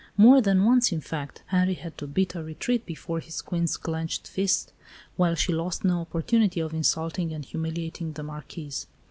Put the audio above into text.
More than once in fact Henri had to beat a retreat before his Queen's clenched fist, while she lost no opportunity of insulting and humiliating the Marquise.